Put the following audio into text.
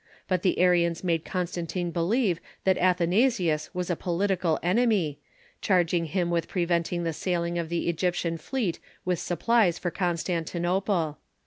But the Arians made Constantine believe tbat Atbanasius was a political enem}^, cbarging bim with pi eventing tbe sailing of the Egyjitian fleet Avitb supplies for Constantinople.